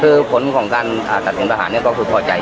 คือผลของการตัดตรงประหารก็คือเป้าใจ